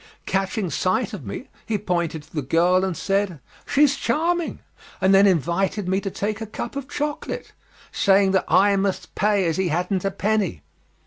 Catching sight of me, he pointed to the girl and said "She's charming," and then invited me to take a cup of chocolate, saying that I must pay, as he hadn't a penny.